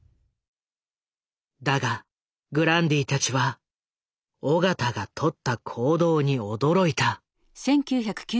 だがグランディたちは緒方がとった行動に驚いた。